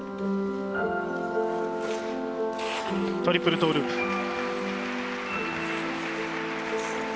トリプルトーループ。